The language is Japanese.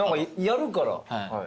やるから。